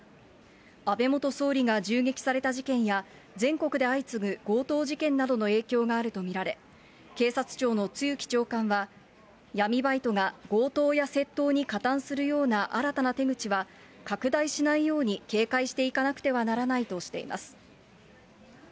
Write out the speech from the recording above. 安倍元総理が銃撃された事件や、全国で相次ぐ強盗事件などの影響があると見られ、警察庁の露木長官は、闇バイトが強盗や窃盗に加担するような新たな手口は、拡大しないように警戒していかなくてはいけないとしています。